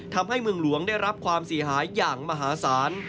ทำให้เมืองหลวงได้รับความเสียหายอย่างมหาศาล